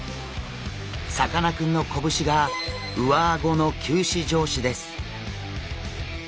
さかなクンの拳が上顎の臼歯状歯です。